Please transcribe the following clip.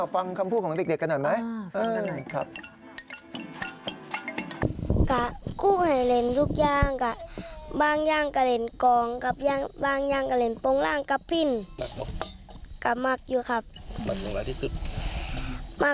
ฟังคำพูดของเด็กกันหน่อยไหม